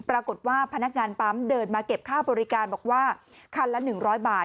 ปรากฏว่าพนักงานปั๊มเดินมาเก็บค่าบริการบอกว่าคันละหนึ่งร้อยบาท